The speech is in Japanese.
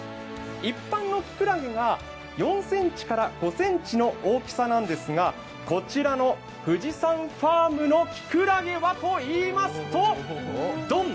一般のきくらげが４５ｃｍの大きさなんですがこちらの富士山ファームのきくらげはといいますとドン！